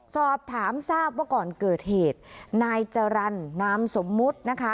สอบถามทราบว่าก่อนเกิดเหตุนายจรรย์นามสมมุตินะคะ